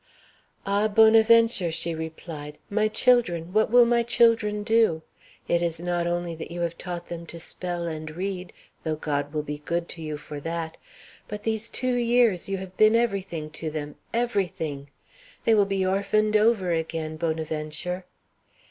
"Ah, Bonaventure!" she replied, "my children what will my children do? It is not only that you have taught them to spell and read, though God will be good to you for that! But these two years you have been every thing to them every thing. They will be orphaned over again, Bonaventure."